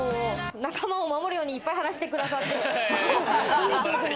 仲間を守るようにいっぱい話してくださって。